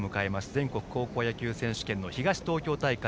全国高校野球選手権東東京大会